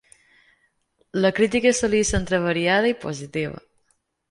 La crítica solia ser entre variada i positiva.